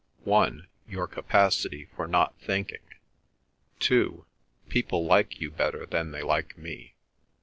"One: your capacity for not thinking; two: people like you better than they like me.